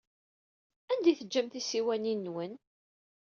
Anda ay teǧǧam tisiwanin-nwen?